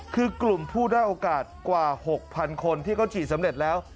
คือกลุ่มผู้ได้โอกาสกว่า๖๐๐๐คนที่เขาฉีดสำเร็จแล้ว